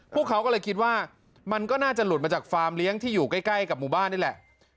พวกเขาก็เลยคิดว่ามันก็น่าจะหลุดมาจากฟาร์มเลี้ยงที่อยู่ใกล้กับหมู่บ้านนี่แหละ